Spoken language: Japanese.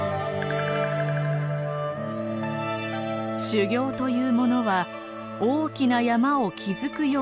「修行というものは大きな山を築くようなものです」。